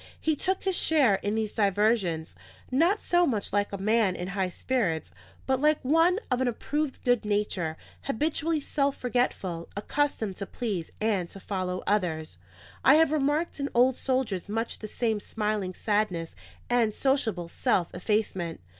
He took his share in these diversions, not so much like a man in high spirits, but like one of an approved good nature, habitually self forgetful, accustomed to please and to follow others. I have remarked in old soldiers much the same smiling sadness and sociable self effacement.